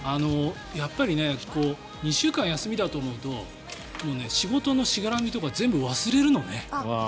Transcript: やっぱり２週間休みだと思うともう仕事のしがらみとか全部忘れるのね。